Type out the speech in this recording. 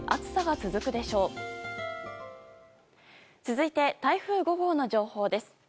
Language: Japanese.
続いて、台風５号の情報です。